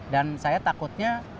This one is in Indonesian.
dan saya takutnya